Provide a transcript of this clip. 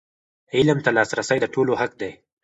علم ته لاسرسی د ټولو حق دی.